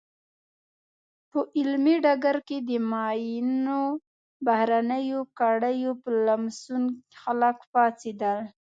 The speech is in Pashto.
په علمي ډګر کې د معینو بهرنیو کړیو په لمسون خلک پاڅېدل.